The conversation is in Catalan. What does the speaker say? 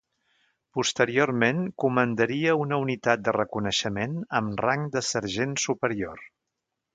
Posteriorment comandaria una unitat de reconeixement amb rang de sergent superior.